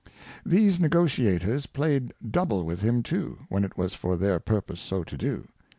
These Negotiators played double with him too, when it was for their purpose so to do.